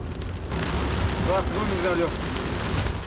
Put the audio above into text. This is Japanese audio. うわ、すごい水の量。